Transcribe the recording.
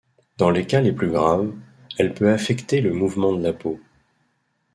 Dans les cas les plus graves, elle peut affecter le mouvement de la peau.